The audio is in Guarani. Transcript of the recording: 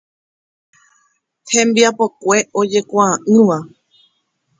Hembiapokue ojekuaa'ỹva.